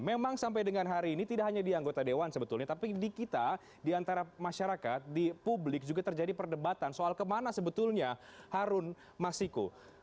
memang sampai dengan hari ini tidak hanya di anggota dewan sebetulnya tapi di kita di antara masyarakat di publik juga terjadi perdebatan soal kemana sebetulnya harun masiku